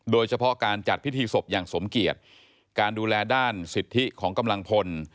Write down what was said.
โดยเฉพาะการจัดพิธีศพอย่างสมเกียจการดูแลด้านสิทธิของกำลังพล